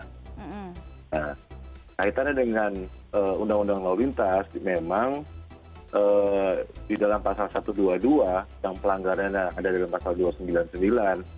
nah kaitannya dengan undang undang lalu lintas memang di dalam pasal satu ratus dua puluh dua yang pelanggarannya ada dalam pasal dua ratus sembilan puluh sembilan